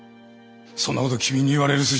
そんなこと君に言われる筋合いはない。